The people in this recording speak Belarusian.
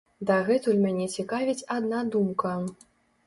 Дагэтуль мяне цікавіць адна думка.